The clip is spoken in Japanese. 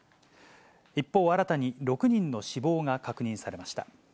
一方、新たに６人の死亡が確認されました。